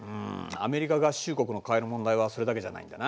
アメリカ合衆国の抱える問題はそれだけじゃないんだな。